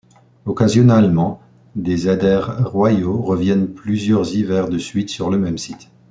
Occasionnellement, des eiders royaux reviennent plusieurs hivers de suite sur le même site.